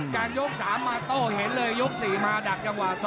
การยก๓มาโต้เห็นเลยยก๔มาดักจังหวะ๒